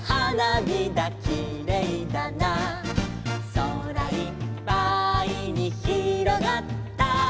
「空いっぱいにひろがった」